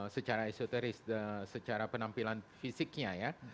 secara esoteris secara penampilan fisiknya ya